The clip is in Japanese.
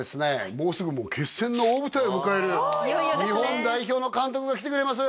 もうすぐ決戦の大舞台を迎える日本代表の監督が来てくれます